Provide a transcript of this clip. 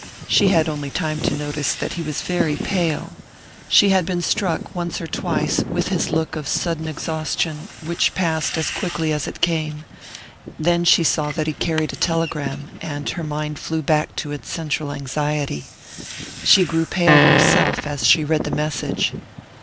She had only time to notice that he was very pale she had been struck once or twice with his look of sudden exhaustion, which passed as quickly as it came then she saw that he carried a telegram, and her mind flew back to its central anxiety. She grew pale herself as she read the message.